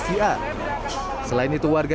selain itu warga yang diperlukan untuk mencari vaksin